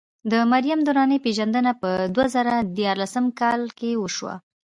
د مریم درانۍ پېژندنه په دوه زره ديارلسم کال کې وشوه.